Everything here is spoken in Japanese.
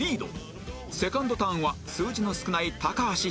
セカンドターンは数字の少ない橋ひかるから